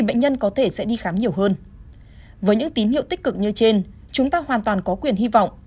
với những tín hiệu tích cực như trên chúng ta hoàn toàn có quyền hy vọng